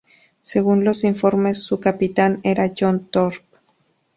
Según los informes, su capitán era John Thorp.